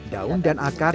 daun dan akar